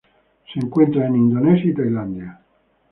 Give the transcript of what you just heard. Se encuentran en Indonesia y Tailandia.